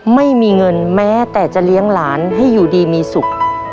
ไม่มีเงินแม้แต่จะเลี้ยงหลานให้อยู่ดีมีสุข